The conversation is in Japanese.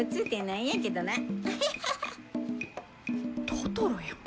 トトロや。